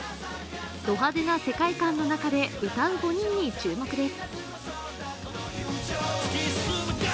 ド派手な世界観の中で歌う５人に注目です。